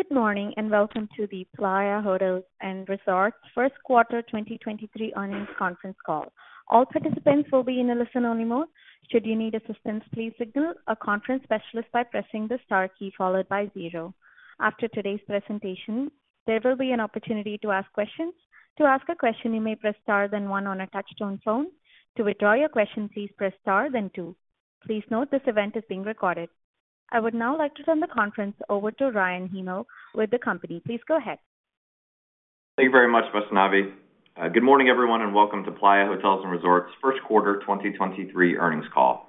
Good morning, welcome to the Playa Hotels & Resorts First Quarter 2023 Earnings Conference Call. All participants will be in a listen-only mode. Should you need assistance, please signal a conference specialist by pressing the Star key followed by zero. After today's presentation, there will be an opportunity to ask questions. To ask a question, you may press Star then one on a touch-tone phone. To withdraw your question, please press Star then two. Please note this event is being recorded. I would now like to turn the conference over to Ryan Hymel with the company. Please go ahead. Thank you very much, Vaishnavi. Good morning, everyone, and welcome to Playa Hotels & Resorts First Quarter 2023 Earnings Call.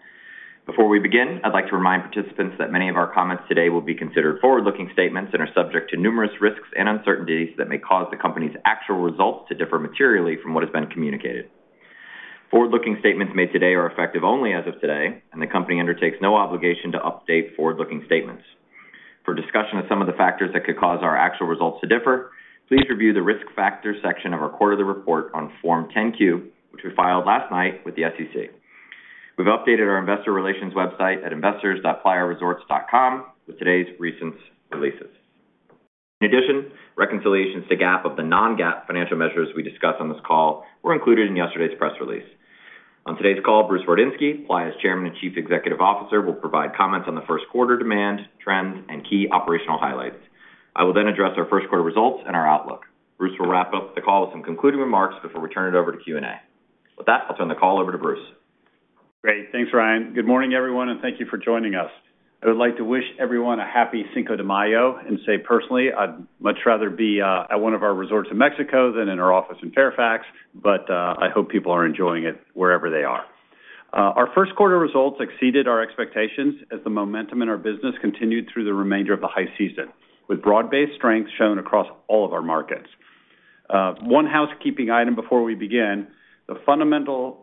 Before we begin, I'd like to remind participants that many of our comments today will be considered forward-looking statements and are subject to numerous risks and uncertainties that may cause the company's actual results to differ materially from what has been communicated. Forward-looking statements made today are effective only as of today, and the company undertakes no obligation to update forward-looking statements. For discussion of some of the factors that could cause our actual results to differ, please review the Risk Factors section of our quarterly report on Form 10-Q, which we filed last night with the SEC. We've updated our investor relations website at investors.playaresorts.com with today's recent releases. In addition, reconciliations to GAAP of the non-GAAP financial measures we discuss on this call were included in yesterday's press release. On today's call, Bruce Wardinski, Playa's Chairman and Chief Executive Officer, will provide comments on the first quarter demand, trends, and key operational highlights. I will then address our first quarter results and our outlook. Bruce will wrap up the call with some concluding remarks before we turn it over to Q&A. With that, I'll turn the call over to Bruce. Great. Thanks, Ryan Hymel. Good morning, everyone, and thank you for joining us. I would like to wish everyone a happy Cinco de Mayo and say personally, I'd much rather be at one of our resorts in Mexico than in our office in Fairfax, but I hope people are enjoying it wherever they are. Our 1st quarter results exceeded our expectations as the momentum in our business continued through the remainder of the high season, with broad-based strength shown across all of our markets. One housekeeping item before we begin the fundamental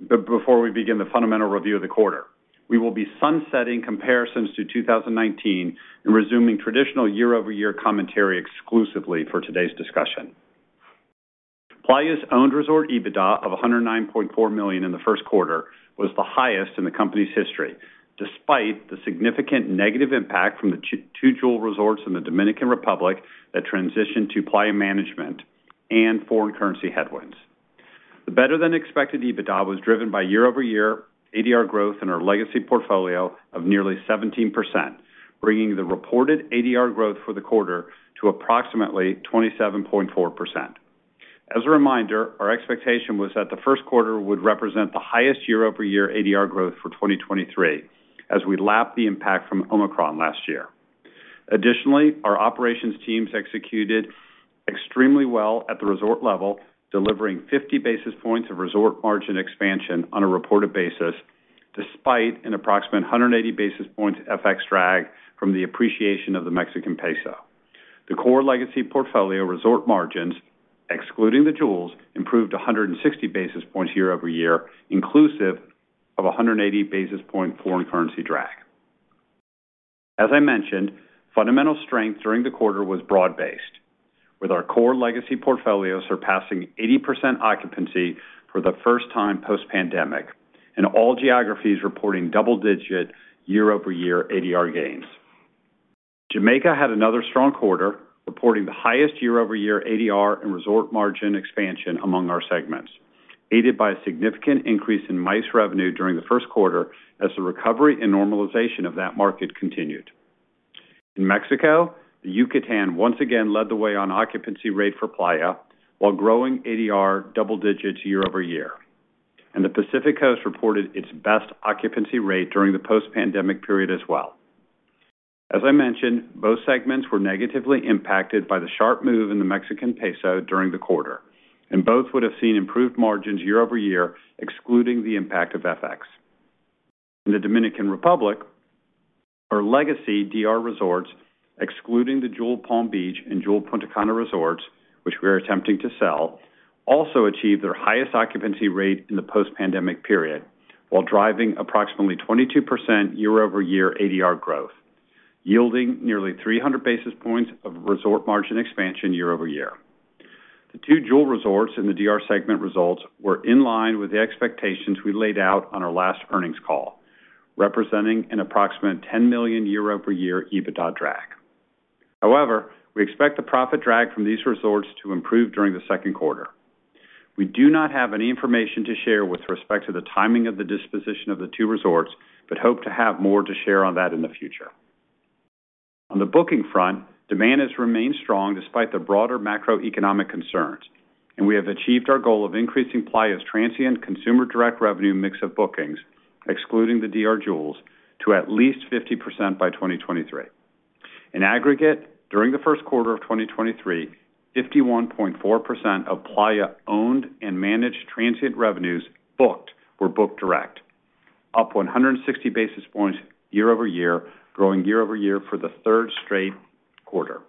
review of the quarter. We will be sunsetting comparisons to 2019 and resuming traditional year-over-year commentary exclusively for today's discussion. Playa's owned resort EBITDA of $109.4 million in the first quarter was the highest in the company's history, despite the significant negative impact from the two Jewel resorts in the Dominican Republic that transitioned to Playa management and foreign currency headwinds. The better-than-expected EBITDA was driven by year-over-year ADR growth in our legacy portfolio of nearly 17%, bringing the reported ADR growth for the quarter to approximately 27.4%. As a reminder, our expectation was that the first quarter would represent the highest year-over-year ADR growth for 2023 as we lap the impact from Omicron last year. Additionally, our operations teams executed extremely well at the resort level, delivering 50 basis points of resort margin expansion on a reported basis, despite an approximate 180 basis points FX drag from the appreciation of the Mexican peso. The core legacy portfolio resort margins, excluding the Jewels, improved 160 basis points year-over-year, inclusive of a 180 basis point foreign currency drag. As I mentioned, fundamental strength during the quarter was broad-based, with our core legacy portfolio surpassing 80% occupancy for the first time post-pandemic, and all geographies reporting double-digit year-over-year ADR gains. Jamaica had another strong quarter, reporting the highest year-over-year ADR and resort margin expansion among our segments, aided by a significant increase in MICE revenue during the first quarter as the recovery and normalization of that market continued. In Mexico, the Yucatan once again led the way on occupancy rate for Playa while growing ADR double digits year-over-year, and the Pacific Coast reported its best occupancy rate during the post-pandemic period as well. As I mentioned, both segments were negatively impacted by the sharp move in the Mexican peso during the quarter, and both would have seen improved margins year-over-year, excluding the impact of FX. In the Dominican Republic, our legacy DR resorts, excluding the Jewel Palm Beach and Jewel Punta Cana resorts, which we are attempting to sell, also achieved their highest occupancy rate in the post-pandemic period while driving approximately 22% year-over-year ADR growth, yielding nearly 300 basis points of resort margin expansion year-over-year. The two Jewel resorts in the DR segment results were in line with the expectations we laid out on our last earnings call, representing an approximate $10 million year-over-year EBITDA drag. However, we expect the profit drag from these resorts to improve during the second quarter. We do not have any information to share with respect to the timing of the disposition of the two resorts, but hope to have more to share on that in the future. On the booking front, demand has remained strong despite the broader macroeconomic concerns, and we have achieved our goal of increasing Playa's transient consumer direct revenue mix of bookings, excluding the DR Jewels, to at least 50% by 2023. In aggregate, during the first quarter of 2023, 51.4% of Playa owned and managed transient revenues booked were booked direct, up 160 basis points year-over-year, growing year-over-year for the third straight quarter.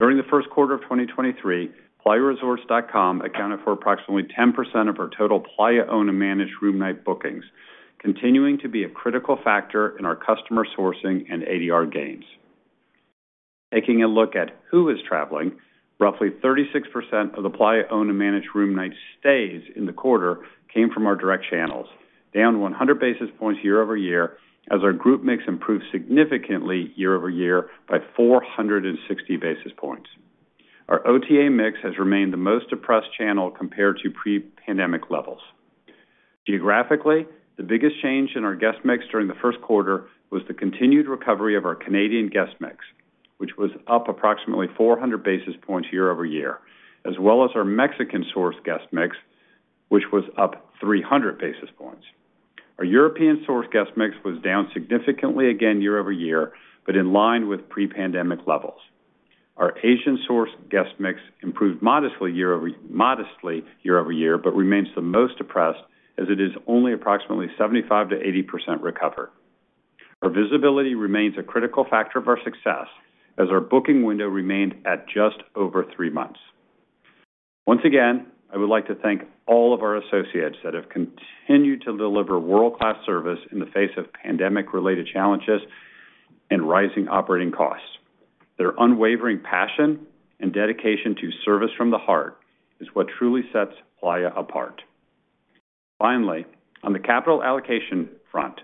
During the first quarter of 2023, playaresorts.com accounted for approximately 10% of our total Playa owned and managed room night bookings, continuing to be a critical factor in our customer sourcing and ADR gains. Taking a look at who is traveling, roughly 36% of the Playa owned and managed room night stays in the quarter came from our direct channels, down 100 basis points year-over-year as our group mix improved significantly year-over-year by 460 basis points. Our OTA mix has remained the most depressed channel compared to pre-pandemic levels. Geographically, the biggest change in our guest mix during the first quarter was the continued recovery of our Canadian guest mix, which was up approximately 400 basis points year-over-year, as well as our Mexican source guest mix, which was up 300 basis points. Our European source guest mix was down significantly again year-over-year, but in line with pre-pandemic levels. Our Asian source guest mix improved modestly year-over-year, but remains the most depressed as it is only approximately 75%-80% recovered. Our visibility remains a critical factor of our success as our booking window remained at just over three months. Once again, I would like to thank all of our associates that have continued to deliver world-class service in the face of pandemic related challenges and rising operating costs. Their unwavering passion and dedication to service from the heart is what truly sets Playa apart. Finally, on the capital allocation front,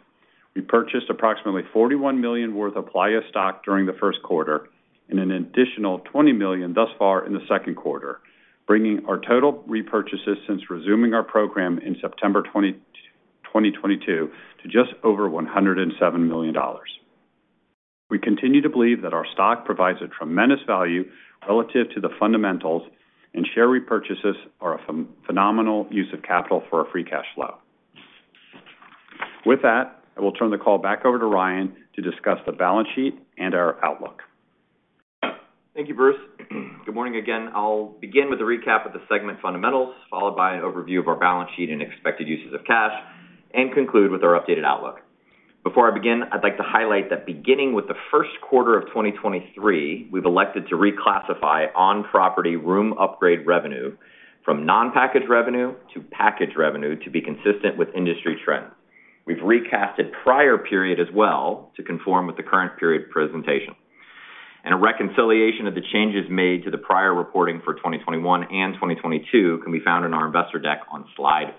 we purchased approximately $41 million worth of Playa stock during the first quarter and an additional $20 million thus far in the second quarter, bringing our total repurchases since resuming our program in September 2022 to just over $107 million. We continue to believe that our stock provides a tremendous value relative to the fundamentals. Share repurchases are a phenomenal use of capital for our free cash flow. With that, I will turn the call back over to Ryan to discuss the balance sheet and our outlook. Thank you, Bruce. Good morning again. I'll begin with a recap of the segment fundamentals, followed by an overview of our balance sheet and expected uses of cash, and conclude with our updated outlook. Before I begin, I'd like to highlight that beginning with the 1st quarter of 2023, we've elected to reclassify on-property room upgrade revenue from non-package revenue to package revenue to be consistent with industry trends. We've recasted prior period as well to conform with the current period presentation. A reconciliation of the changes made to the prior reporting for 2021 and 2022 can be found in our investor deck on slide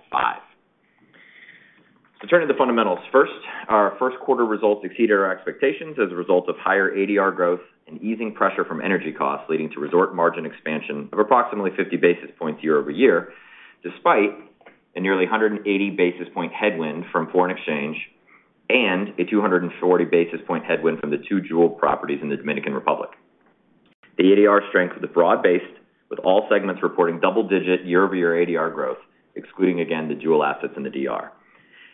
5. Turning to fundamentals first. Our first quarter results exceeded our expectations as a result of higher ADR growth and easing pressure from energy costs, leading to resort margin expansion of approximately 50 basis points year-over-year, despite a nearly 180 basis point headwind from foreign exchange and a 240 basis point headwind from the two Jewel properties in the Dominican Republic. The ADR strength is broad-based, with all segments reporting double-digit year-over-year ADR growth, excluding again the Jewel assets in the DR,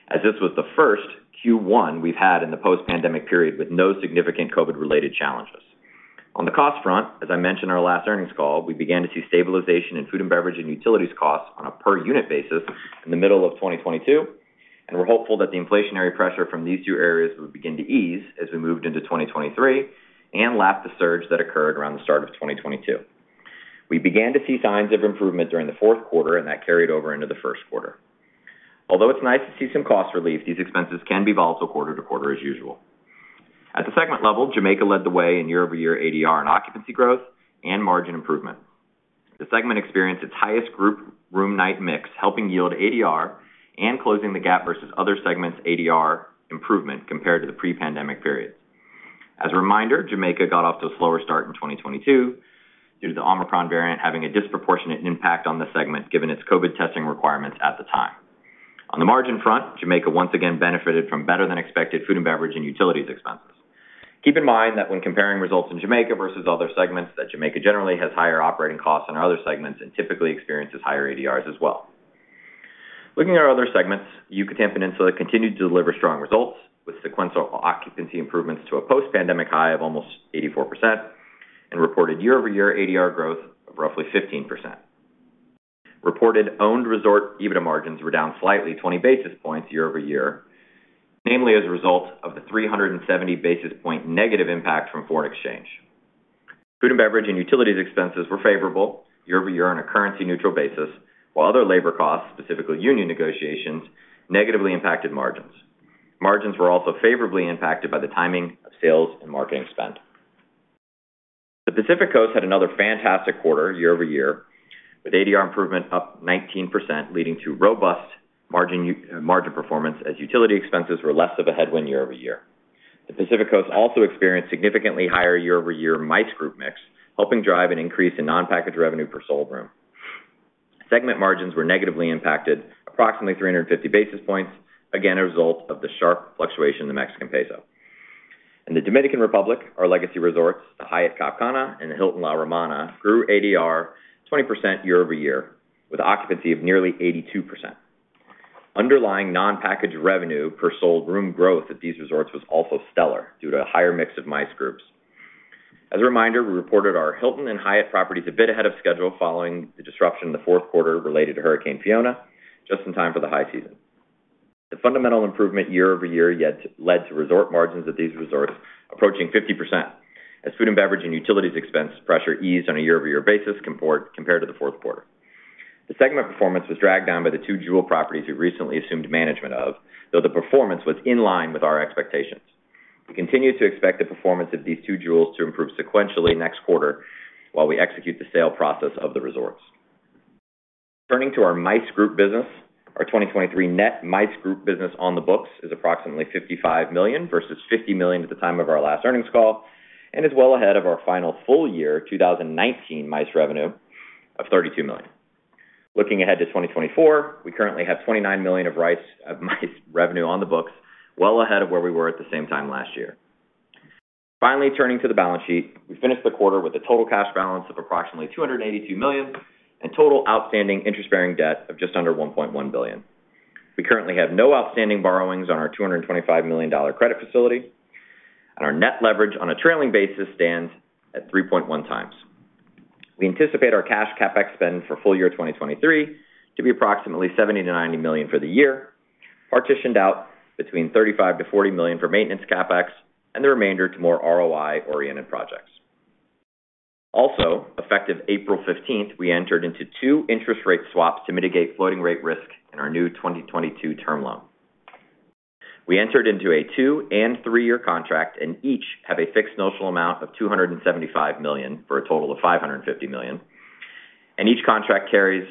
as this was the first Q1 we've had in the post pandemic period with no significant COVID related challenges. On the cost front, as I mentioned in our last earnings call, we began to see stabilization in food and beverage and utilities costs on a per unit basis in the middle of 2022. We're hopeful that the inflationary pressure from these two areas would begin to ease as we moved into 2023 and lap the surge that occurred around the start of 2022. We began to see signs of improvement during the fourth quarter and that carried over into the first quarter. Although it's nice to see some cost relief, these expenses can be volatile quarter-to-quarter as usual. At the segment level, Jamaica led the way in year-over-year ADR and occupancy growth and margin improvement. The segment experienced its highest group room night mix, helping yield ADR and closing the gap versus other segments' ADR improvement compared to the pre-pandemic period. As a reminder, Jamaica got off to a slower start in 2022 due to the Omicron variant having a disproportionate impact on the segment, given its COVID testing requirements at the time. On the margin front, Jamaica once again benefited from better than expected food and beverage and utilities expenses. Keep in mind that when comparing results in Jamaica versus other segments, that Jamaica generally has higher operating costs than our other segments and typically experiences higher ADRs as well. Looking at our other segments, Yucatan Peninsula continued to deliver strong results with sequential occupancy improvements to a post pandemic high of almost 84% and reported year-over-year ADR growth of roughly 15%. Reported owned resort EBITDA margins were down slightly 20 basis points year-over-year, mainly as a result of the 370 basis point negative impact from foreign exchange. Food and beverage and utilities expenses were favorable year-over-year on a currency neutral basis, while other labor costs, specifically union negotiations, negatively impacted margins. Margins were also favorably impacted by the timing of sales and marketing spend. The Pacific Coast had another fantastic quarter year-over-year, with ADR improvement up 19%, leading to robust margin performance as utility expenses were less of a headwind year-over-year. The Pacific Coast also experienced significantly higher year-over-year MICE group mix, helping drive an increase in non-package revenue per sold room. Segment margins were negatively impacted approximately 350 basis points. Again, a result of the sharp fluctuation in the Mexican peso. In the Dominican Republic, our legacy resorts, the Hyatt Ziva Cap Cana and the Hilton La Romana, grew ADR 20% year-over-year with occupancy of nearly 82%. Underlying non-package revenue per sold room growth at these resorts was also stellar due to a higher mix of MICE groups. As a reminder, we reported our Hilton and Hyatt properties a bit ahead of schedule following the disruption in the fourth quarter related to Hurricane Fiona, just in time for the high season. The fundamental improvement year-over-year led to resort margins at these resorts approaching 50% as food and beverage and utilities expense pressure eased on a year-over-year basis compared to the fourth quarter. The segment performance was dragged down by the two Jewel properties we recently assumed management of, though the performance was in line with our expectations. We continue to expect the performance of these two Jewels to improve sequentially next quarter while we execute the sale process of the resorts. Turning to our MICE group business, our 2023 net MICE group business on the books is approximately $55 million versus $50 million at the time of our last earnings call and is well ahead of our final full year 2019 MICE revenue of $32 million. Looking ahead to 2024, we currently have $29 million of MICE revenue on the books, well ahead of where we were at the same time last year. Finally, turning to the balance sheet, we finished the quarter with a total cash balance of approximately $282 million and total outstanding interest-bearing debt of just under $1.1 billion. We currently have no outstanding borrowings on our $225 million credit facility. Our net leverage on a trailing basis stands at 3.1 times. We anticipate our cash CapEx spend for full year 2023 to be approximately $70 million-$90 million for the year, partitioned out between $35 million-$40 million for maintenance CapEx and the remainder to more ROI-oriented projects. Effective April 15th, we entered into two interest rate swaps to mitigate floating rate risk in our new 2022 term loan. We entered into a two- and three-year contract. Each have a fixed notional amount of $275 million, for a total of $550 million. Each contract carries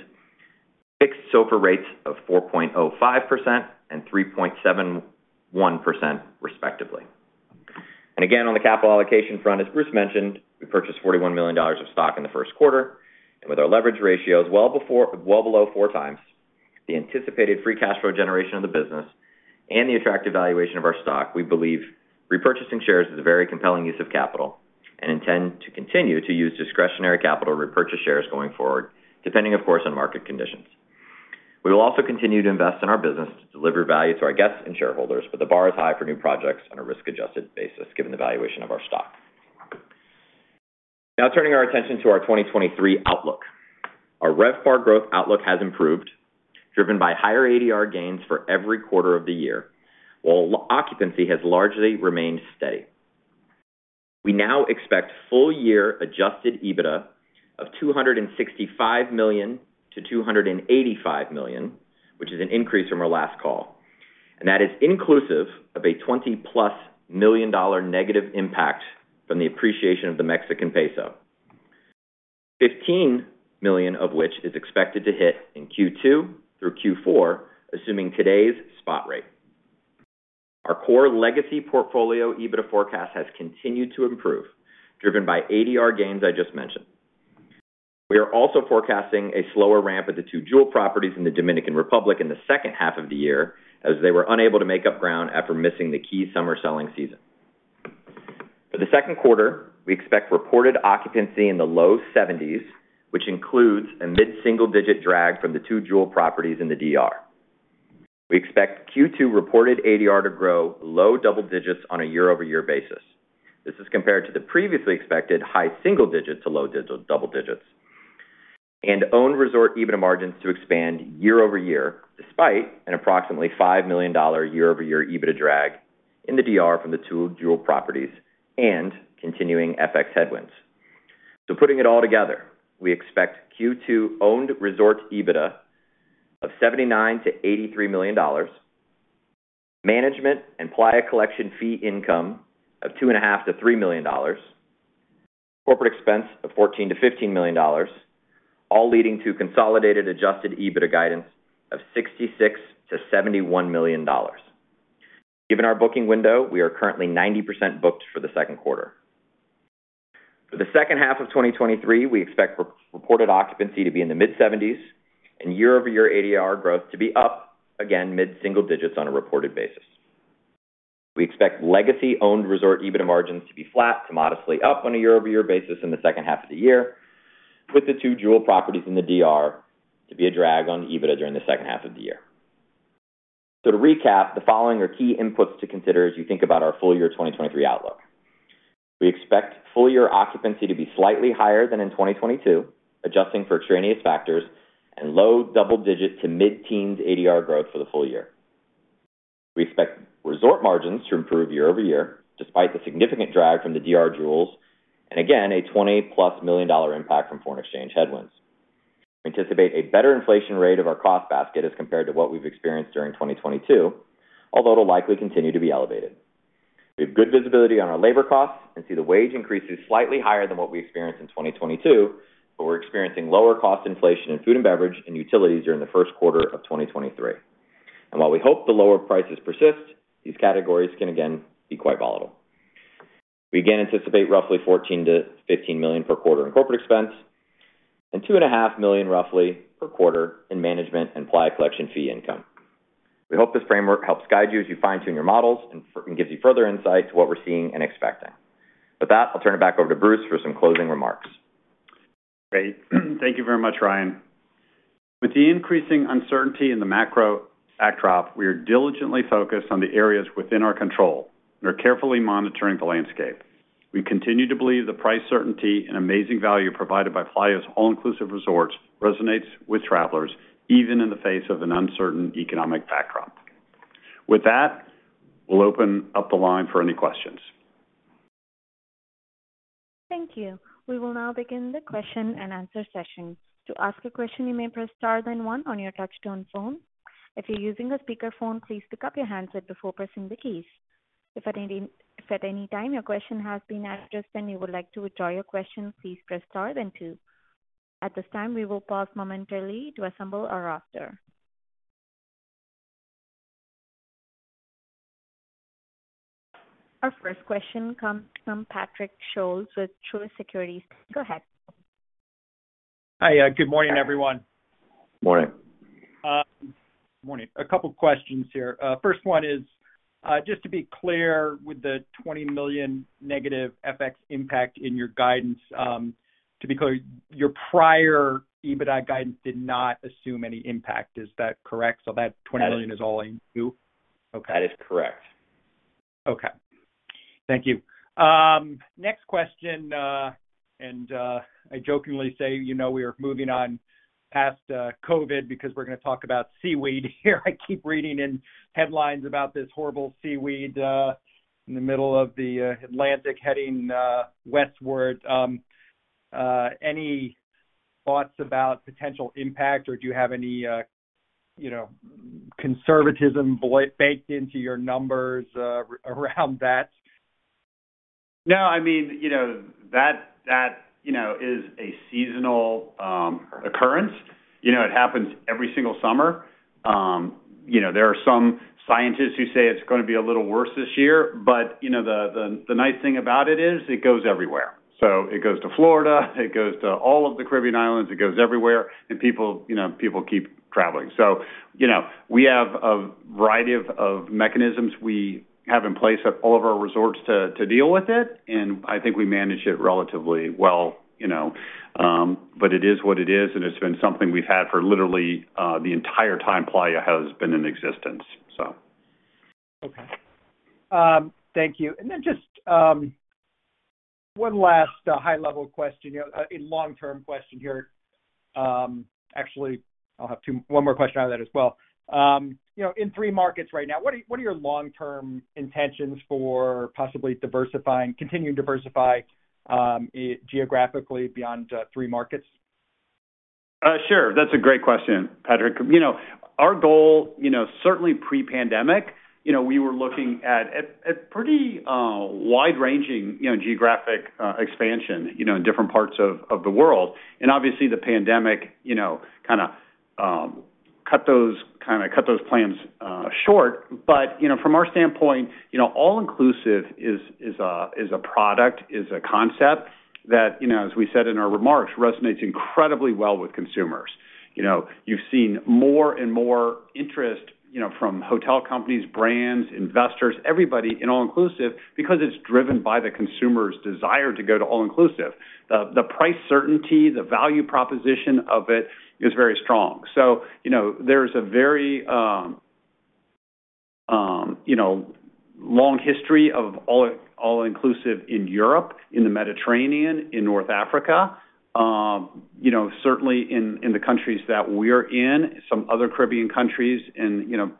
fixed SOFR rates of 4.05% and 3.71% respectively. On the capital allocation front, as Bruce mentioned, we purchased $41 million of stock in the first quarter. With our leverage ratios well below four times, the anticipated free cash flow generation of the business and the attractive valuation of our stock, we believe repurchasing shares is a very compelling use of capital and intend to continue to use discretionary capital to repurchase shares going forward, depending, of course, on market conditions. We will also continue to invest in our business to deliver value to our guests and shareholders, the bar is high for new projects on a risk-adjusted basis, given the valuation of our stock. Now turning our attention to our 2023 outlook. Our RevPAR growth outlook has improved, driven by higher ADR gains for every quarter of the year, while occupancy has largely remained steady. We now expect full year adjusted EBITDA of $265 million-$285 million, which is an increase from our last call. That is inclusive of a $20+ million negative impact from the appreciation of the Mexican peso, $15 million of which is expected to hit in Q2 through Q4, assuming today's spot rate. Our core legacy portfolio EBITDA forecast has continued to improve, driven by ADR gains I just mentioned. We are also forecasting a slower ramp at the two Jewel properties in the Dominican Republic in the second half of the year, as they were unable to make up ground after missing the key summer selling season. For the second quarter, we expect reported occupancy in the low 70s, which includes a mid-single digit drag from the two Jewel properties in the DR. We expect Q2 reported ADR to grow low double digits on a year-over-year basis. This is compared to the previously expected high single digit to low double digits. Owned resort EBITDA margins to expand year-over-year, despite an approximately $5 million year-over-year EBITDA drag in the DR from the two Jewel properties and continuing FX headwinds. Putting it all together, we expect Q2 owned resort EBITDA of $79 million-$83 million, management and The Playa Collection fee income of two and a half to three million dollars, corporate expense of $14 million-$15 million, all leading to consolidated adjusted EBITDA guidance of $66 million-$71 million. Given our booking window, we are currently 90% booked for the second quarter. For the second half of 2023, we expect re-reported occupancy to be in the mid-70s and year-over-year ADR growth to be up, again mid-single digits on a reported basis. We expect legacy owned resort EBITDA margins to be flat to modestly up on a year-over-year basis in the second half of the year, with the two Jewel properties in the DR to be a drag on EBITDA during the second half of the year. To recap, the following are key inputs to consider as you think about our full year 2023 outlook. We expect full year occupancy to be slightly higher than in 2022, adjusting for extraneous factors and low double digit to mid-teens ADR growth for the full year. We expect resort margins to improve year-over-year, despite the significant drag from the DR Jewels and again, a $20+ million impact from foreign exchange headwinds. We anticipate a better inflation rate of our cost basket as compared to what we've experienced during 2022, although it'll likely continue to be elevated. We have good visibility on our labor costs and see the wage increases slightly higher than what we experienced in 2022. We're experiencing lower cost inflation in food and beverage and utilities during the first quarter of 2023. While we hope the lower prices persist, these categories can again be quite volatile. We again anticipate roughly $14 million-$15 million per quarter in corporate expense and $2.5 million roughly per quarter in management and Playa Collection fee income. We hope this framework helps guide you as you fine-tune your models and gives you further insight to what we're seeing and expecting. With that, I'll turn it back over to Bruce for some closing remarks. Great. Thank you very much, Ryan. With the increasing uncertainty in the macro backdrop, we are diligently focused on the areas within our control and are carefully monitoring the landscape. We continue to believe the price certainty and amazing value provided by Playa's all-inclusive resorts resonates with travelers, even in the face of an uncertain economic backdrop. With that, we'll open up the line for any questions. Thank you. We will now begin the question and answer session. To ask a question, you may press star then one on your touch-tone phone. If you're using a speakerphone, please pick up your handset before pressing the keys. If at any time your question has been addressed, and you would like to withdraw your question, please press star then two. At this time, we will pause momentarily to assemble our roster. Our first question comes from Patrick Scholes with Truist Securities. Go ahead. Hi, good morning, everyone. Morning. Morning. A couple questions here. First one is, just to be clear, with the $20 million negative FX impact in your guidance, to be clear, your prior EBITDA guidance did not assume any impact. Is that correct? That $20 million is all in Q? That is correct. Okay. Thank you. Next question, I jokingly say, you know, we are moving on past COVID because we're gonna talk about seaweed here. I keep reading in headlines about this horrible seaweed in the middle of the Atlantic heading westward. Any thoughts about potential impact, or do you have any, you know, conservatism baked into your numbers around that? No, I mean, you know, that, you know, is a seasonal occurrence. You know, it happens every single summer. You know, there are some scientists who say it's gonna be a little worse this year, you know, the nice thing about it is it goes everywhere. It goes to Florida, it goes to all of the Caribbean Islands, it goes everywhere, and people, you know, people keep traveling. You know, we have a variety of mechanisms we have in place at all of our resorts to deal with it, and I think we manage it relatively well, you know. It is what it is, and it's been something we've had for literally the entire time Playa has been in existence, so. Okay. thank you. Then just one last high level question. You know, a long-term question here. Actually, I'll have one more question out of that as well. You know, in three markets right now, what are your long-term intentions for possibly diversifying, continuing to diversify, geographically beyond three markets? Sure. That's a great question, Patrick. You know, our goal, you know, certainly pre-pandemic, you know, we were looking at pretty wide-ranging, you know, geographic expansion, you know, in different parts of the world. Obviously, the pandemic, you know, kinda cut those plans short. You know, from our standpoint, you know, all inclusive is a product, is a concept that, you know, as we said in our remarks, resonates incredibly well with consumers. You know, you've seen more and more interest, you know, from hotel companies, brands, investors, everybody in all inclusive because it's driven by the consumer's desire to go to all inclusive. The price certainty, the value proposition of it is very strong. You know, there's a very, you know, long history of all inclusive in Europe, in the Mediterranean, in North Africa, you know, certainly in the countries that we're in, some other Caribbean countries and, you know,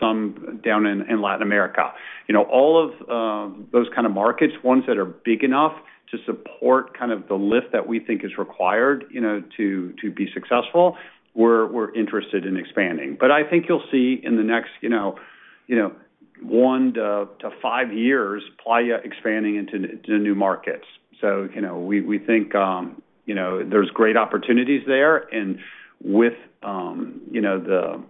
some down in Latin America. You know, all of those kind of markets, ones that are big enough to support kind of the lift that we think is required, you know, to be successful, we're interested in expanding. I think you'll see in the next, you know, 1 to 5 years, Playa expanding into new markets. You know, we think, you know, there's great opportunities there. With, you know, the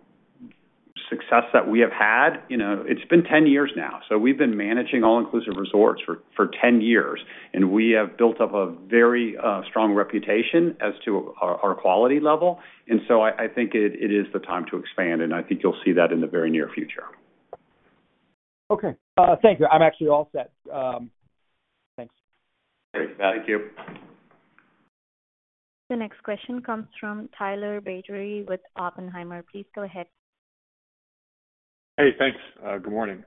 success that we have had, you know, it's been 10 years now. We've been managing all-inclusive resorts for 10 years, and we have built up a very strong reputation as to our quality level. I think it is the time to expand, and I think you'll see that in the very near future. Thank you. I'm actually all set. Thanks. Great. Thank you. The next question comes from Tyler Batory with Oppenheimer. Please go ahead. Hey, thanks. Good morning.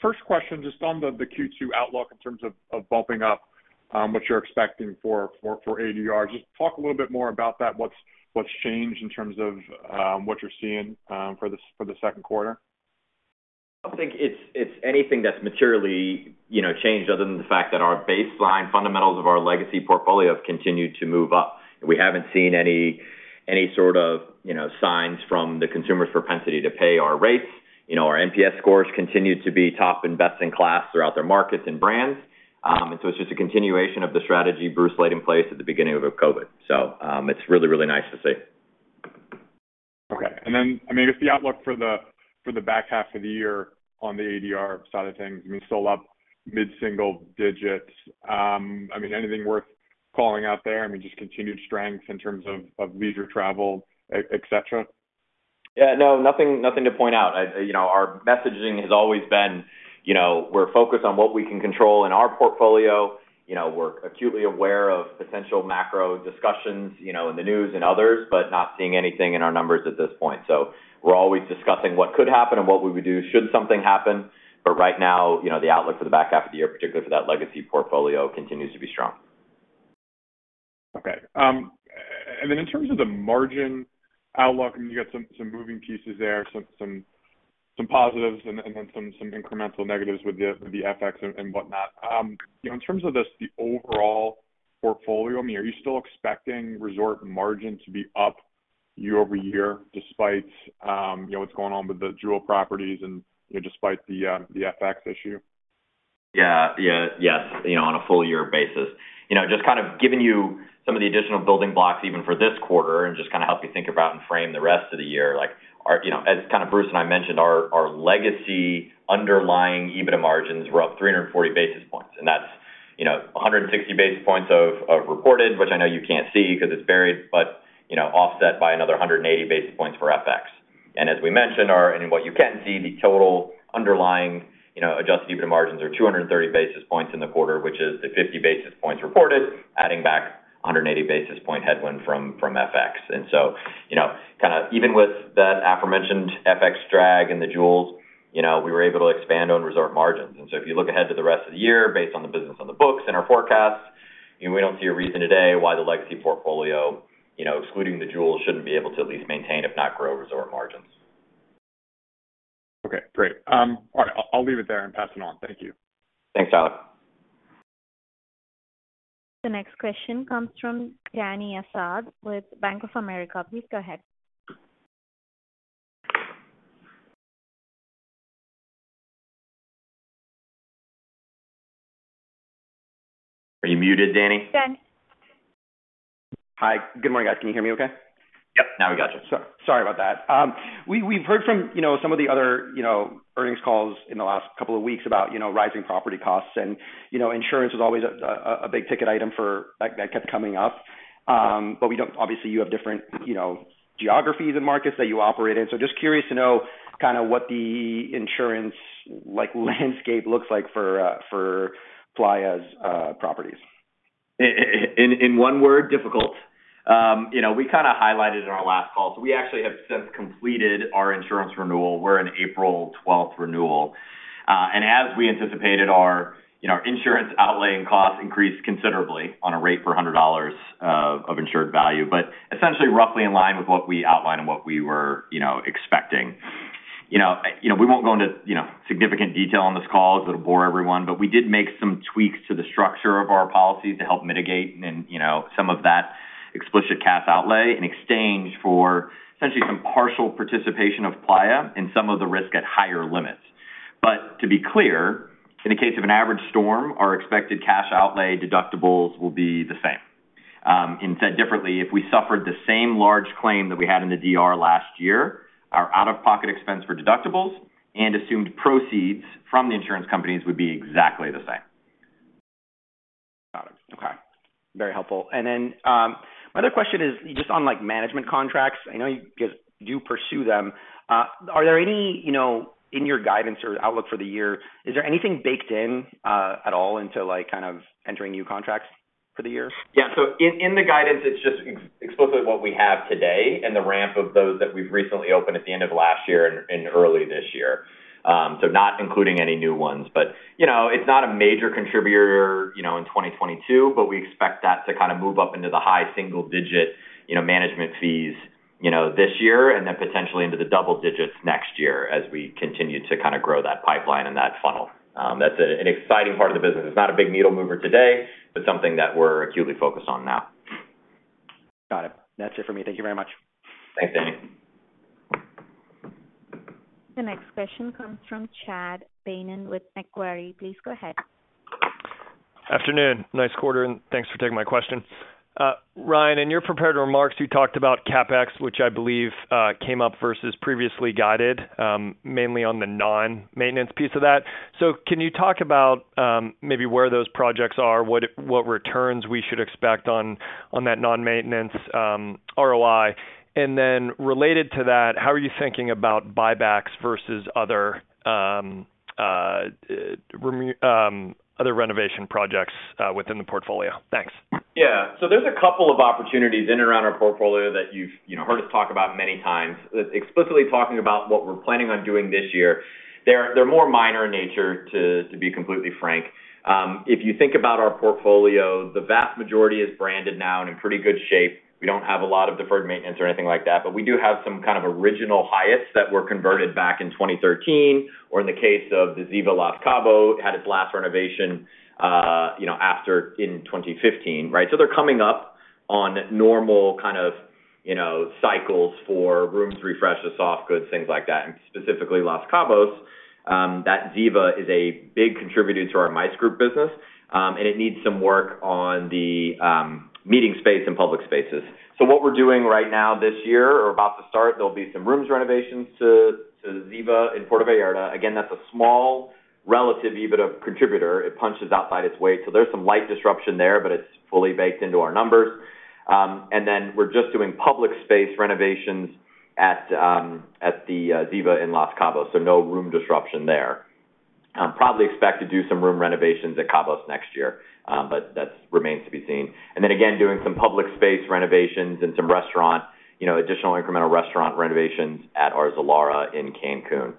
First question, just on the Q2 outlook in terms of bumping up what you're expecting for ADR. Just talk a little bit more about that. What's changed in terms of what you're seeing for the second quarter? I don't think it's anything that's materially, you know, changed other than the fact that our baseline fundamentals of our legacy portfolio have continued to move up. We haven't seen any sort of, you know, signs from the consumer's propensity to pay our rates. You know, our NPS scores continue to be top and best in class throughout their markets and brands. It's just a continuation of the strategy Bruce laid in place at the beginning of COVID. It's really nice to see. Okay. I mean, just the outlook for the back half of the year on the ADR side of things, I mean, still up mid-single digits. I mean, anything worth calling out there? I mean, just continued strength in terms of leisure travel, et cetera? Yeah, no, nothing to point out. You know, our messaging has always been, you know, we're focused on what we can control in our portfolio. You know, we're acutely aware of potential macro discussions, you know, in the news and others, but not seeing anything in our numbers at this point. We're always discussing what could happen and what we would do should something happen. Right now, you know, the outlook for the back half of the year, particularly for that legacy portfolio, continues to be strong. Okay. In terms of the margin outlook, I mean, you got some moving pieces there, some positives and then some incremental negatives with the FX and whatnot. You know, in terms of the overall portfolio, I mean, are you still expecting resort margin to be up? year-over-year, despite, you know, what's going on with the Jewel properties and, you know, despite the FX issue. Yeah. Yeah. Yes. You know, on a full year basis. You know, just kind of giving you some of the additional building blocks even for this quarter and just kind of help you think about and frame the rest of the year. Like, our, you know, as kind of Bruce and I mentioned, our legacy underlying EBITDA margins were up 340 basis points, and that's, you know, 160 basis points of reported, which I know you can't see 'cause it's buried, but, you know, offset by another 180 basis points for FX. As we mentioned, what you can see, the total underlying, you know, adjusted EBITDA margins are 230 basis points in the quarter, which is the 50 basis points reported, adding back 180 basis point headwind from FX. You know, kinda even with that aforementioned FX drag and the Jewels, you know, we were able to expand on resort margins. If you look ahead to the rest of the year based on the business on the books and our forecasts, you know, we don't see a reason today why the legacy portfolio, you know, excluding the Jewels, shouldn't be able to at least maintain, if not grow resort margins. Okay, great. All right. I'll leave it there and pass it on. Thank you. Thanks, Alex. The next question comes from Dany Asad with Bank of America. Please go ahead. Are you muted, Dany? Danny. Hi. Good morning, guys. Can you hear me okay? Yep, now we got you. Sorry. Sorry about that. We've heard from, you know, some of the other, you know, earnings calls in the last couple of weeks about, you know, rising property costs and, you know, insurance was always a big ticket item that kept coming up. We don't obviously you have different, you know, geographies and markets that you operate in. Just curious to know kinda what the insurance, like, landscape looks like for Playa's properties. In one word, difficult. You know, we kinda highlighted in our last call, we actually have since completed our insurance renewal. We're an April twelfth renewal. As we anticipated, our, you know, insurance outlay and costs increased considerably on a rate per $100 of insured value, essentially roughly in line with what we outlined and what we were, you know, expecting. You know, we won't go into, you know, significant detail on this call 'cause it'll bore everyone, we did make some tweaks to the structure of our policies to help mitigate and, you know, some of that explicit cash outlay in exchange for essentially some partial participation of Playa and some of the risk at higher limits. To be clear, in the case of an average storm, our expected cash outlay deductibles will be the same. Said differently, if we suffered the same large claim that we had in the DR last year, our out-of-pocket expense for deductibles and assumed proceeds from the insurance companies would be exactly the same. Got it. Okay. Very helpful. My other question is just on, like, management contracts. I know you guys do pursue them. Are there any, you know, in your guidance or outlook for the year, is there anything baked in at all into, like, kind of entering new contracts for the year? Yeah. In, in the guidance, it's just explicitly what we have today and the ramp of those that we've recently opened at the end of last year and early this year. Not including any new ones. You know, it's not a major contributor, you know, in 2022, but we expect that to kind of move up into the high single-digit, you know, management fees, you know, this year and then potentially into the double-digits next year as we continue to kinda grow that pipeline and that funnel. That's an exciting part of the business. It's not a big needle mover today, but something that we're acutely focused on now. Got it. That's it for me. Thank you very much. Thanks, Dany. The next question comes from Chad Beynon with Macquarie. Please go ahead. Afternoon. Nice quarter. Thanks for taking my question. Ryan, in your prepared remarks, you talked about CapEx, which I believe came up versus previously guided, mainly on the non-maintenance piece of that. Can you talk about maybe where those projects are, what returns we should expect on that non-maintenance ROI? Related to that, how are you thinking about buybacks versus other renovation projects within the portfolio? Thanks. There's a couple of opportunities in and around our portfolio that you've, you know, heard us talk about many times. Explicitly talking about what we're planning on doing this year, they're more minor in nature, to be completely frank. If you think about our portfolio, the vast majority is branded now and in pretty good shape. We don't have a lot of deferred maintenance or anything like that. We do have some kind of original Hyatts that were converted back in 2013, or in the case of the Hyatt Ziva Los Cabos, had its last renovation, you know, in 2015, right? They're coming up on normal kind of, you know, cycles for rooms refresh, the soft goods, things like that. Specifically Los Cabos, that Ziva is a big contributor to our MICE group business, and it needs some work on the meeting space and public spaces. What we're doing right now this year or about to start, there'll be some rooms renovations to Ziva in Puerto Vallarta. Again, that's a small relative EBITDA contributor. It punches outside its weight. There's some light disruption there, but it's fully baked into our numbers. Then we're just doing public space renovations at the Ziva in Los Cabos, so no room disruption there. Probably expect to do some room renovations at Cabos next year, but that remains to be seen. Then again, doing some public space renovations and some restaurant, you know, additional incremental restaurant renovations at our Zilara in Cancun.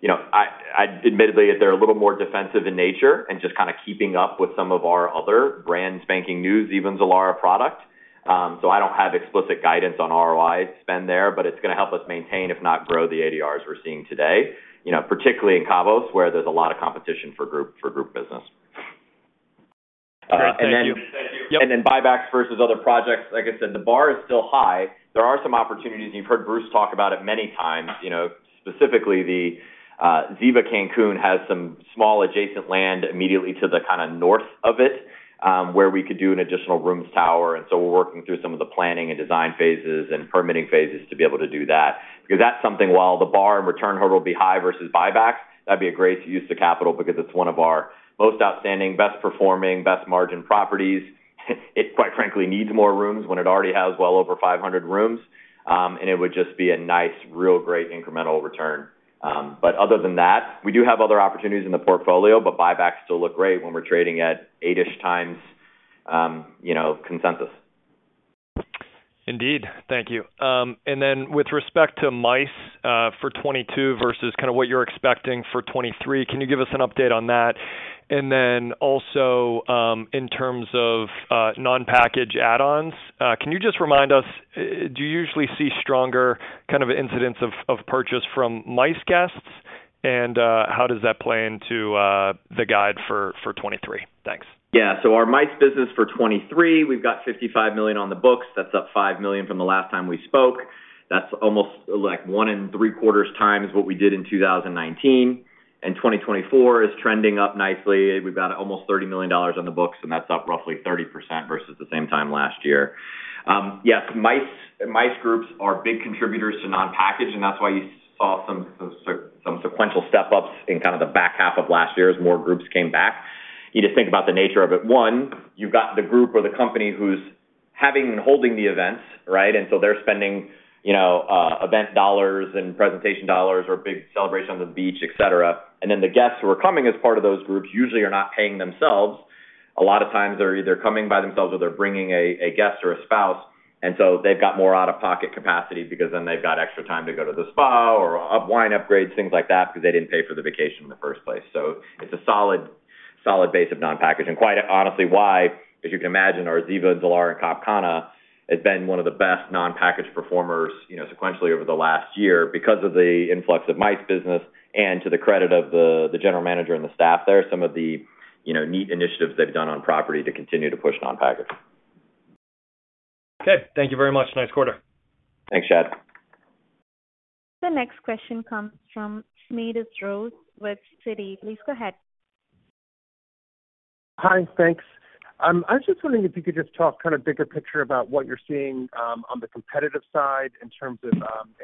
You know, I admittedly, they're a little more defensive in nature and just kinda keeping up with some of our other brand spanking news, even Zilara product. I don't have explicit guidance on ROI spend there, but it's gonna help us maintain, if not grow the ADRs we're seeing today, you know, particularly in Cabos, where there's a lot of competition for group business. Buybacks versus other projects. Like I said, the bar is still high. There are some opportunities, and you've heard Bruce talk about it many times. You know, specifically the Ziva Cancun has some small adjacent land immediately to the kind of north of it, where we could do an additional rooms tower. We're working through some of the planning and design phases and permitting phases to be able to do that, because that's something while the bar and return hurdle will be high versus buyback, that'd be a great use of capital because it's one of our most outstanding, best performing, best margin properties. It, quite frankly, needs more rooms when it already has well over 500 rooms. It would just be a nice, real great incremental return. Other than that, we do have other opportunities in the portfolio, but buybacks still look great when we're trading at eight times, you know, consensus. Indeed. Thank you. Then with respect to MICE, for 2022 versus kind of what you're expecting for 2023, can you give us an update on that? Then also, in terms of non-package add-ons, can you just remind us, do you usually see stronger kind of incidents of purchase from MICE guests? How does that play into the guide for 2023? Thanks. Our MICE business for 2023, we've got $55 million on the books. That's up $5 million from the last time we spoke. That's almost, like, 1.75x what we did in 2019. 2024 is trending up nicely. We've got almost $30 million on the books, and that's up roughly 30% versus the same time last year. Yes, MICE groups are big contributors to non-package, and that's why you saw some sequential step ups in kind of the back half of last year as more groups came back. You just think about the nature of it. One, you've got the group or the company who's having and holding the events, right? They're spending, you know, event dollars and presentation dollars or big celebrations on the beach, et cetera. The guests who are coming as part of those groups usually are not paying themselves. A lot of times they're either coming by themselves or they're bringing a guest or a spouse. They've got more out-of-pocket capacity because then they've got extra time to go to the spa or up wine upgrades, things like that, because they didn't pay for the vacation in the first place. It's a solid base of non-package. Quite honestly, why, as you can imagine, our Ziva Zilara in Cap Cana has been one of the best non-package performers, you know, sequentially over the last year because of the influx of MICE business and to the credit of the general manager and the staff. There are some of the, you know, neat initiatives they've done on property to continue to push non-package. Okay. Thank you very much. Nice quarter. Thanks, Chad. The next question comes from Smedes Rose with Citi. Please go ahead. Hi, thanks. I was just wondering if you could just talk kind of bigger picture about what you're seeing on the competitive side in terms of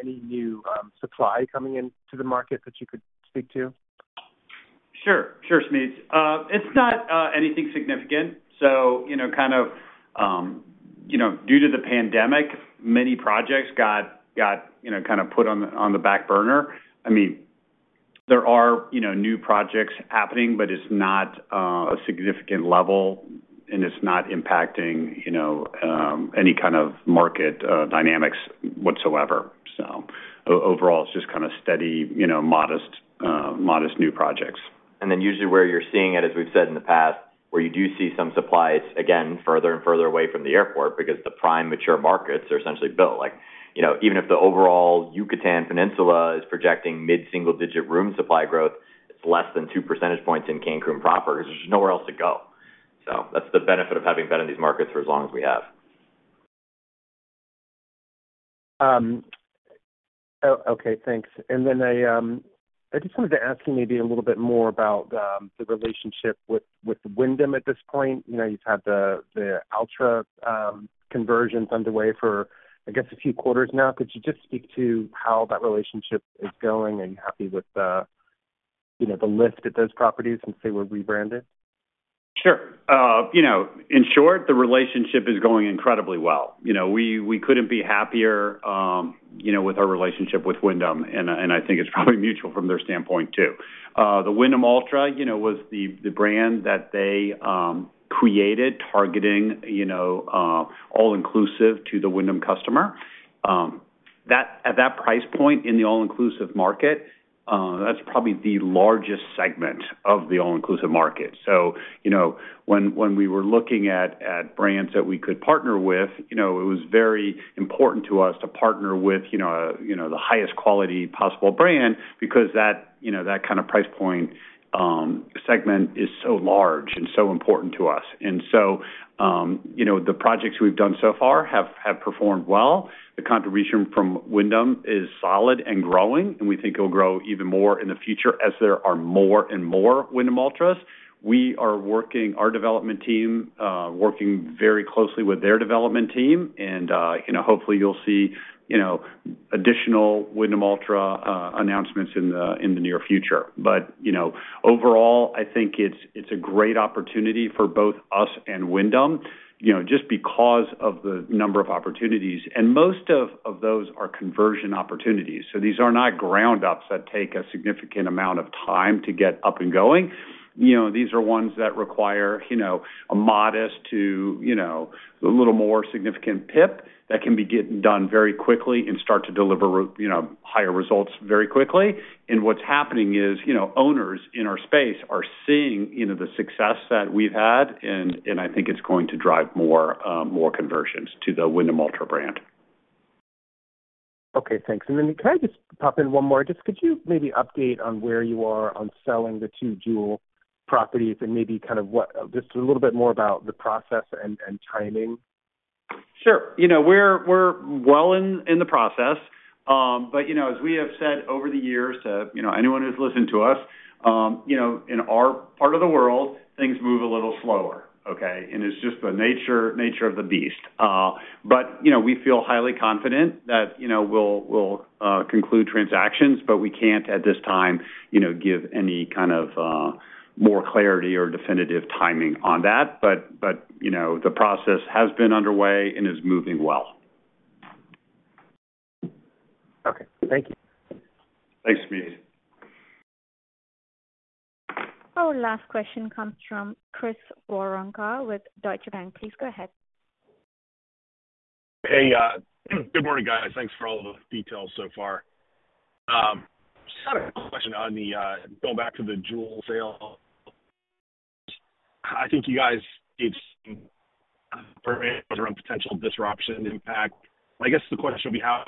any new supply coming into the market that you could speak to? Sure. Sure, Smedes. It's not anything significant. You know, kind of, you know, due to the pandemic, many projects got, you know, kind of put on the, on the back burner. I mean, there are, you know, new projects happening, but it's not a significant level and it's not impacting, you know, any kind of market dynamics whatsoever. Overall, it's just kind of steady, you know, modest new projects. Usually where you're seeing it, as we've said in the past, where you do see some supply, it's again, further and further away from the airport because the prime mature markets are essentially built. Like, you know, even if the overall Yucatan Peninsula is projecting mid-single-digit room supply growth, it's less than two percentage points in Cancun proper because there's nowhere else to go. That's the benefit of having been in these markets for as long as we have. Okay, thanks. Then I just wanted to ask you maybe a little bit more about the relationship with Wyndham at this point. You know, you've had the Alltra conversions underway for, I guess, a few quarters now. Could you just speak to how that relationship is going? Are you happy with the, you know, the lift at those properties since they were rebranded? Sure. You know, in short, the relationship is going incredibly well. You know, we couldn't be happier, you know, with our relationship with Wyndham, and I think it's probably mutual from their standpoint too. The Wyndham Alltra, you know, was the brand that they, created targeting, you know, all-inclusive to the Wyndham customer. At that price point in the all-inclusive market, that's probably the largest segment of the all-inclusive market. You know, when we were looking at brands that we could partner with, you know, it was very important to us to partner with, you know, the highest quality possible brand because that, you know, that kind of price point, segment is so large and so important to us. You know, the projects we've done so far have performed well. The contribution from Wyndham is solid and growing, and we think it'll grow even more in the future as there are more and more Wyndham Alltra. Our development team working very closely with their development team, and, you know, hopefully you'll see, you know, additional Wyndham Alltra announcements in the near future. You know, overall, I think it's a great opportunity for both us and Wyndham, you know, just because of the number of opportunities, and most of those are conversion opportunities. These are not ground ups that take a significant amount of time to get up and going. You know, these are ones that require, you know, a modest to, you know, a little more significant PIP that can be getting done very quickly and start to deliver you know, higher results very quickly. What's happening is, you know, owners in our space are seeing, you know, the success that we've had, and I think it's going to drive more, more conversions to the Wyndham Alltra brand. Okay, thanks. Can I just pop in one more? Could you maybe update on where you are on selling the two Jewel properties and maybe kind of a little bit more about the process and timing? Sure. You know, we're well in the process. You know, as we have said over the years to, you know, anyone who's listened to us, you know, in our part of the world, things move a little slower, okay? It's just the nature of the beast. You know, we feel highly confident that, you know, we'll conclude transactions, but we can't at this time, you know, give any kind of more clarity or definitive timing on that. You know, the process has been underway and is moving well. Okay. Thank you. Thanks, Smedes. Our last question comes from Chris Woronka with Deutsche Bank. Please go ahead. Good morning, guys. Thanks for all the details so far. Just had a quick question on the going back to the Jewel sale. I think you guys gave some parameters around potential disruption impact. I guess the question would be how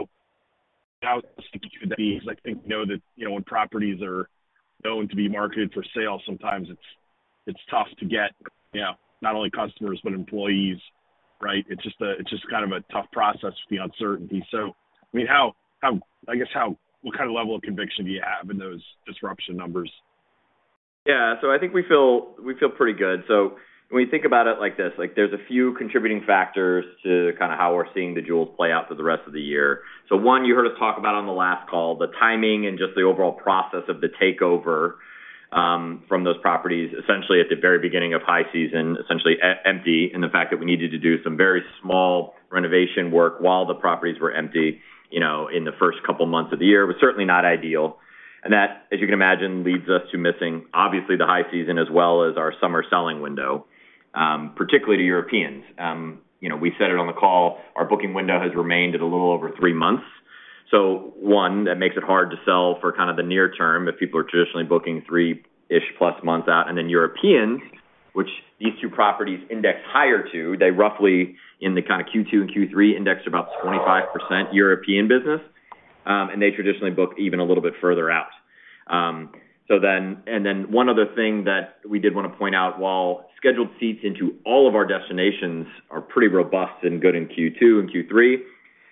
significant could that be? I think, you know that, you know, when properties are known to be marketed for sale, sometimes it's tough to get, you know, not only customers, but employees, right? It's just kind of a tough process, the uncertainty. I mean, how what kind of level of conviction do you have in those disruption numbers? Yeah. I think we feel pretty good. When you think about it like this, like there's a few contributing factors to kind of how we're seeing the Jewel play out for the rest of the year. One, you heard us talk about on the last call, the timing and just the overall process of the takeover, from those properties, essentially at the very beginning of high season, essentially empty. The fact that we needed to do some very small renovation work while the properties were empty, you know, in the first couple of months of the year was certainly not ideal. That, as you can imagine, leads us to missing obviously the high season as well as our summer selling window, particularly to Europeans. you know, we said it on the call, our booking window has remained at a little over three months. That makes it hard to sell for kind of the near term if people are traditionally booking 3+ months out. Europeans, which these two properties index higher to, they roughly in the kind of Q2 and Q3 indexed about 25% European business, and they traditionally book even a little bit further out. One other thing that we did wanna point out, while scheduled seats into all of our destinations are pretty robust and good in Q2 and Q3,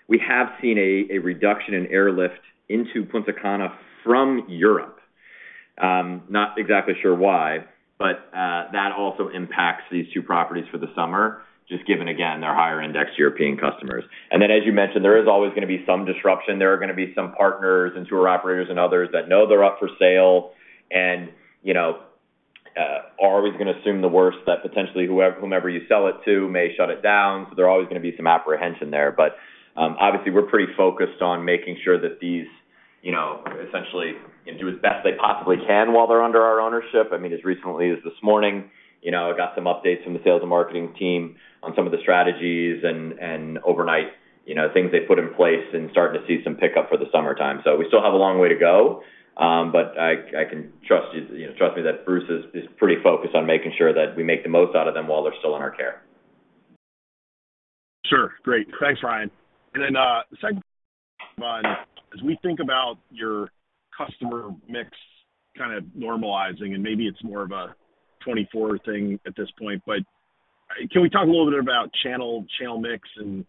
we have seen a reduction in airlift into Punta Cana from Europe. Not exactly sure why, but that also impacts these two properties for the summer, just given, again, their higher index European customers. As you mentioned, there is always gonna be some disruption. There are gonna be some partners and tour operators and others that know they're up for sale and, you know, are always gonna assume the worst that potentially whomever you sell it to may shut it down. There are always gonna be some apprehension there. Obviously we're pretty focused on making sure that these, you know, essentially can do as best they possibly can while they're under our ownership. I mean, as recently as this morning, you know, I got some updates from the sales and marketing team on some of the strategies and overnight, you know, things they've put in place and starting to see some pickup for the summertime. We still have a long way to go. I can trust you know, trust me that Bruce is pretty focused on making sure that we make the most out of them while they're still in our care. Sure. Great. Thanks, Ryan. The second one, as we think about your customer mix kind of normalizing, maybe it's more of a 2024 thing at this point, can we talk a little bit about channel mix? You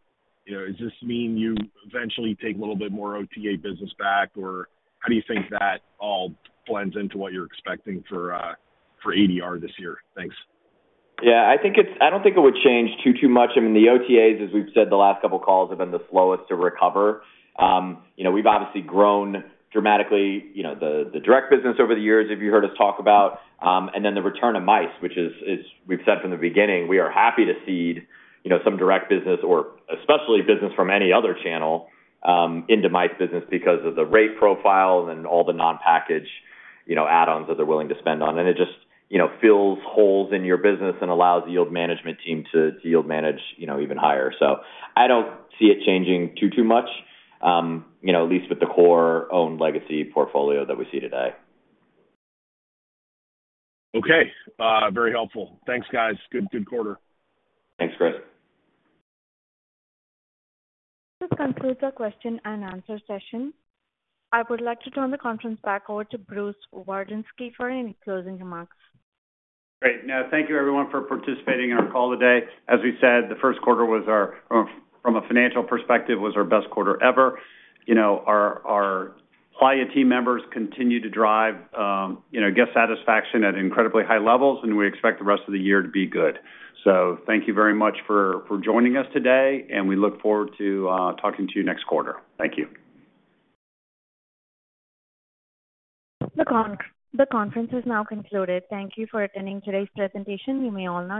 know, does this mean you eventually take a little bit more OTA business back? How do you think that all blends into what you're expecting for ADR this year? Thanks. Yeah, I don't think it would change too much. I mean, the OTAs, as we've said the last couple of calls, have been the slowest to recover. you know, we've obviously grown dramatically, you know, the direct business over the years, if you heard us talk about. Then the return of MICE, which is we've said from the beginning, we are happy to cede, you know, some direct business or especially business from any other channel, into MICE business because of the rate profile and all the non-package, you know, add-ons that they're willing to spend on. It just, you know, fills holes in your business and allows the yield management team to yield manage, you know, even higher. I don't see it changing too much, you know, at least with the core owned legacy portfolio that we see today. Okay. Very helpful. Thanks, guys. Good quarter. Thanks, Chris. This concludes our question and answer session. I would like to turn the conference back over to Bruce Wardinski for any closing remarks. Great. Thank you everyone for participating in our call today. As we said, the first quarter was our from a financial perspective, was our best quarter ever. You know, our Playa team members continue to drive, you know, guest satisfaction at incredibly high levels. We expect the rest of the year to be good. Thank you very much for joining us today. We look forward to talking to you next quarter. Thank you. The conference has now concluded. Thank you for attending today's presentation. You may all now disconnect.